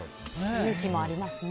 勇気もありますね。